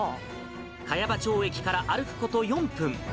茅場町駅から歩くこと４分。